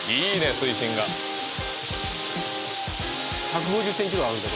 水深が１５０ｃｍぐらいあるんです